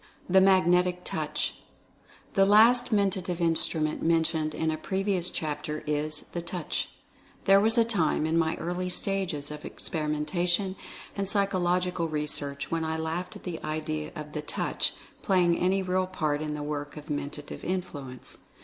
THE MAGNETIC TOUCH. The last Mentative Instrument mentioned in a pre vious chapter is the Touch. There was a time, in my early stages of experimentation and psychological re search, when I laughed at the idea of the Touch play ing any real part in the work of Mental Influence.